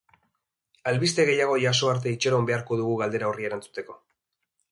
Albiste gehiago jaso arte itxaron beharko dugu galdera horri erantzuteko.